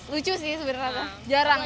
lucu sih sebenarnya jarang